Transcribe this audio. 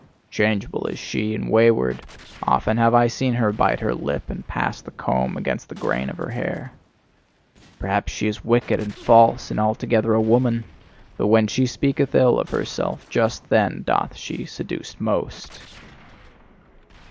Changeable is she, and wayward; often have I seen her bite her lip, and pass the comb against the grain of her hair. Perhaps she is wicked and false, and altogether a woman; but when she speaketh ill of herself, just then doth she seduce most."